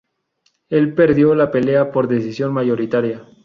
Él perdió la pelea por decisión mayoritaria.